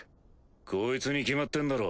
こいつに決まってんだろ。